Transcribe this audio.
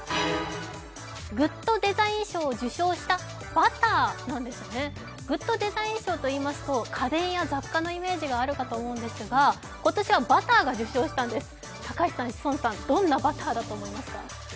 グッドデザイン賞を受賞したバターなんですねグッドデザイン賞といいますと家電や雑貨のイメージがあるかと思うんですが今年はバターが受賞したんです、高橋さん志尊さんどんなデザインだと思いますか？